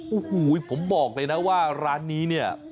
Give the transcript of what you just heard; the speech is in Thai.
โอ้โหผมบอกเลยนะว่าร้านนี้เนี่ย